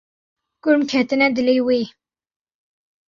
Kurm ketine dilê wê.